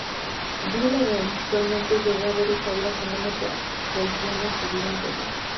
Bill eventualmente llegó a ver esta vida como una traición a su vida anterior.